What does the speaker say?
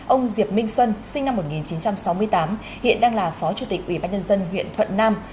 ông diệp minh xuân sinh năm một nghìn chín trăm sáu mươi tám hiện đang là phó chủ tịch ủy ban nhân dân huyện thuận nam